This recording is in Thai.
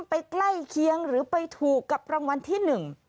ใกล้เคียงหรือไปถูกกับรางวัลที่หนึ่ง